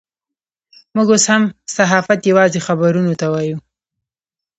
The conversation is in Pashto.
موږ اوس هم صحافت یوازې خبرونو ته وایو.